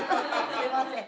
すいません。